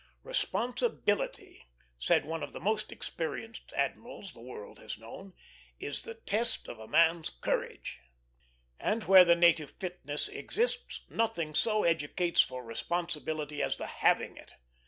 "Responsibility," said one of the most experienced admirals the world has known, "is the test of a man's courage"; and where the native fitness exists nothing so educates for responsibility as the having it.